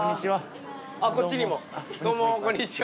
あっこっちにもどうもこんにちは。